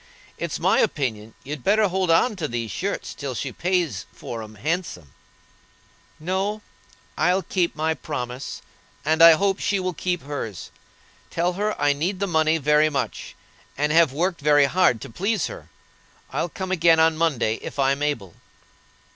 It's my opinion you'd better hold on to these shirts till she pays for 'em handsome." "No; I'll keep my promise, and I hope she will keep hers. Tell her I need the money very much, and have worked very hard to please her. I'll come again on Monday, if I'm able."